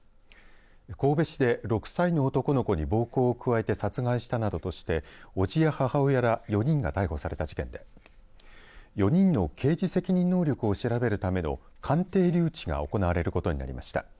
神戸市で６歳の男の子に暴行を加えて殺害したなどとして叔父や母親ら４人が逮捕された事件で４人の刑事責任能力を調べるための鑑定留置が行われることになりました。